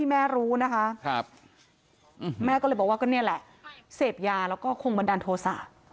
แม่รู้นะคะแม่ก็เลยบอกว่าก็นี่แหละเสพยาแล้วก็คงบันดาลโทษะ